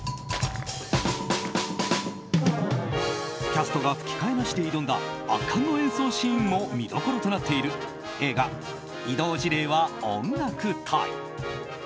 キャストが吹き替えなしで挑んだ圧巻の演奏シーンも見どころとなっている映画「異動辞令は音楽隊！」。